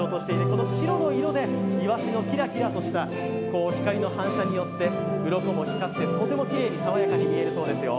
この白の色でイワシのキラキラとした光の反射によってうろこも光ってとてもきれいに爽やかに見えるそうですよ。